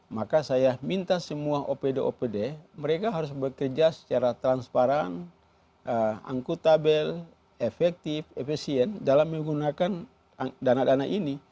maka saya minta semua opd opd mereka harus bekerja secara transparan angkutabel efektif efisien dalam menggunakan dana dana ini